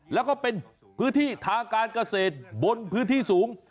แล้วก็เป็นพื้นที่ทางการเกษตรบนพื้นที่สูง